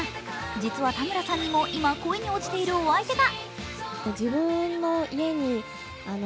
実は田村さんにも今、恋に落ちているお相手が！